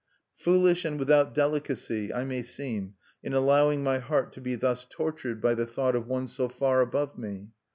Foolish and without delicacy I may seem in allowing my heart to be thus tortured by the thought of one so far above me.